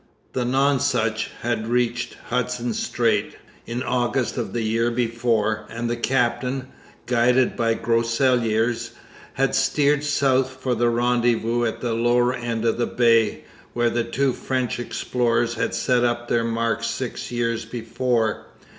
The Nonsuch had reached Hudson Strait in August of the year before, and the captain, guided by Groseilliers, had steered south for 'the rendezvous' at the lower end of the Bay, where the two French explorers had set up their marks six years before.